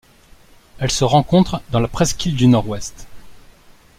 Elle se rencontre dans la presqu'île du Nord-Ouest.